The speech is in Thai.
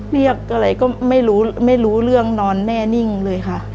เรียกอะไรก็ไม่รู้ไม่รู้เรื่องนอนแน่นิ่งเลยค่ะ